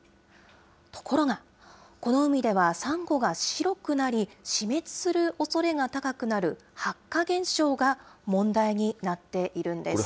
ところが、この海ではサンゴが白くなり、死滅するおそれが高くなる白化現象が問題になっているんです。